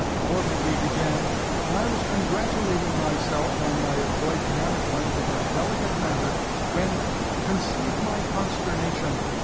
Wortleby began; and I was congratulating myself on my adroit management of a delicate matter, when conceive my consternation!